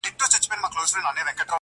ستوري ډېوه سي ،هوا خوره سي,